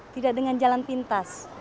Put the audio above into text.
tidak dengan jalan pintas